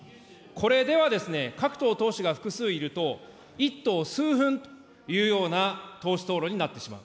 これではですね、各党党首が複数いると、１党数分というような党首討論になってしまう。